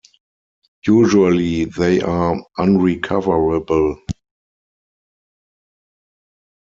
Usually they are unrecoverable.